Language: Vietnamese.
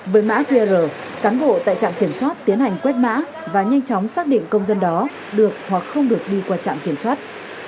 với mã qr cán bộ tại trạm kiểm soát tiến hành quét mã và nhanh chóng xác định công dân đó được hoặc không được đi qua trạm kiểm soát